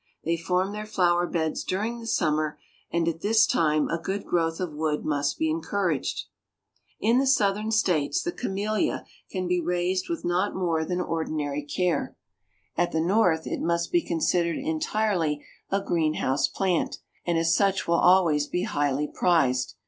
They form their flower beds during the summer, and at this time a good growth of wood must be encouraged. "In the Southern States the Camellia can be raised with not more than ordinary care; at the North it must be considered entirely a green house plant, and as such will always be highly prized.